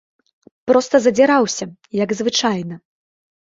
Проста задзіраўся, як звычайна.